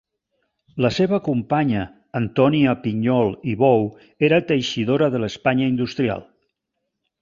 La seva companya, Antònia Pinyol i Bou, era teixidora de l'Espanya Industrial.